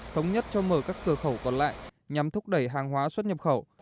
thống nhất cho mở các cửa khẩu còn lại nhằm thúc đẩy hàng hóa xuất nhập khẩu